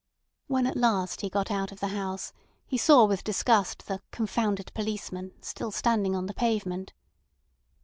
When at last he got out of the house, he saw with disgust the "confounded policeman" still standing on the pavement.